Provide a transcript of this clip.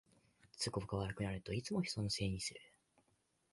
都合が悪くなるといつも人のせいにする